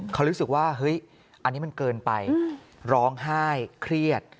เขารู้สึกว่าเฮ้ยอันนี้มันเกินไปร้องไห้เครียด